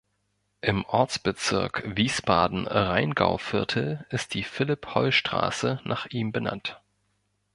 Im Ortsbezirk Wiesbaden-Rheingauviertel ist die "Philipp-Holl-Straße" nach ihm benannt.